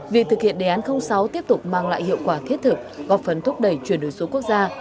việc thực hiện đề án sáu tiếp tục mang lại hiệu quả thiết thực góp phấn thúc đẩy chuyển đổi số quốc gia